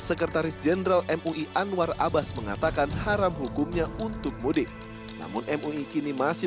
sekretaris jenderal mui anwar abbas mengatakan haram hukumnya untuk mudik namun mui kini masih